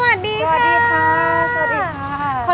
สวัสดีค่ะ